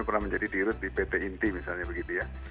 pernah menjadi dirut di pt inti misalnya begitu ya